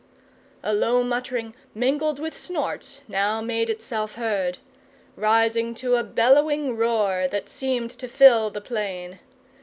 A low muttering, mingled with snorts, now made itself heard; rising to a bellowing roar that seemed to fill the plain.